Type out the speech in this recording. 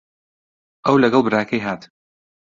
ئەو لەگەڵ براکەی هات.